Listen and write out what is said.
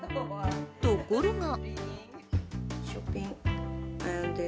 ところが。